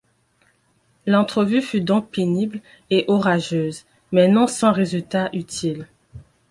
L'entrevue fut donc pénible et orageuse, mais non sans résultat utile.